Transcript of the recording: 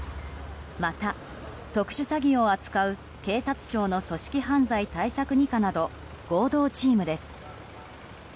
また、特殊詐欺を扱う警察庁の組織犯罪対策２課など合同チームです。